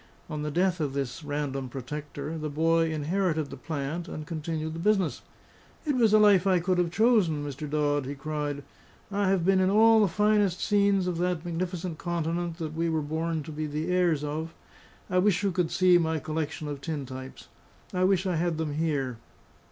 On the death of this random protector, the boy inherited the plant and continued the business. "It was a life I could have chosen, Mr. Dodd!" he cried. "I have been in all the finest scenes of that magnificent continent that we were born to be the heirs of. I wish you could see my collection of tin types; I wish I had them here.